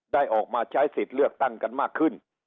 ได้ออกมาใช้สิทธิ์เลือกตั้งกันมากขึ้น